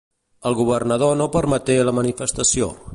El governador no permeté la manifestació.